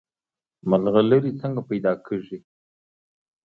ملغلرې څنګه پیدا کیږي؟